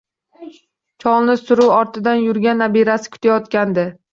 Cholni suruv ortidan yurgan nabirasi kutayotgandi